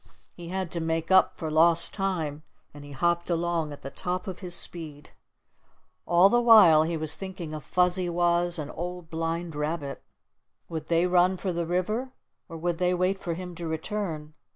He had to make up for lost time, and he hopped along at the top of his speed. All the while he was thinking of Fuzzy Wuzz and Old Blind Rabbit. Would they run for the river, or would they wait for him to return?